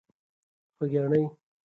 خوږیاڼۍ.